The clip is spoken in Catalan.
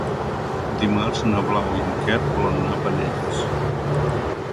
Dimarts na Blau i en Quer volen anar a Penelles.